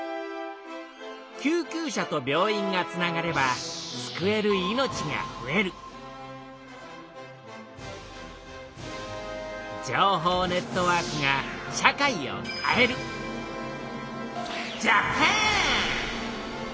救急車と病院がつながれば救える命がふえる情報ネットワークが社会を変えるジャパン！